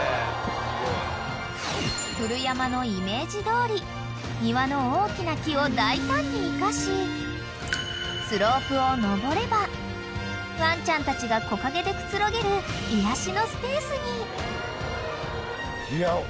［古山のイメージどおり庭の大きな木を大胆に生かしスロープを上ればワンちゃんたちが木陰でくつろげる癒やしのスペースに］